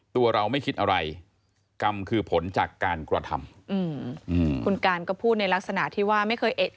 ตัวเราไม่คิดอะไรกรรมคือผลจากการกรรธรรม